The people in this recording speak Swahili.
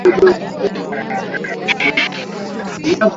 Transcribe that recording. uchafu kama huo unaweza kushuhudiwa kifuani au ubavuni